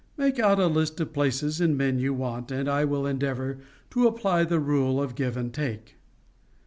Make out a list of places and men you want, and I will endeavor to apply the rule of give and take."